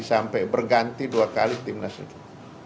sampai berganti dua kali tim nasional